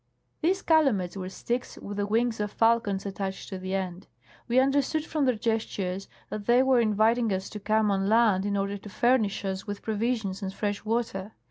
These calumets were sticks with the wings of falcons attached to the end. We understood from their gestures that they were inviting us to come on land in order to furnish us with provisions and fresh water.